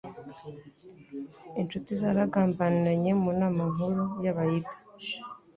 Inshuti zaragambaniranye, mu nama nkuru y'abayida.